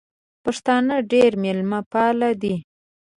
پښتانه ډېر مېلمه پال دي